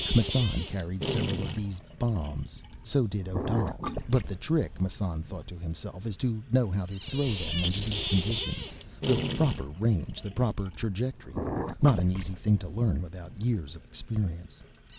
Massan carried several of these "bombs"; so did Odal. But the trick, Massan thought to himself, _is to know how to throw them under these conditions; the proper range, the proper trajectory. Not an easy thing to learn, without years of experience.